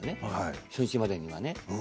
初日までにはね。